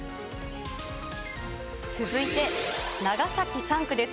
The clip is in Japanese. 続いて、長崎３区です。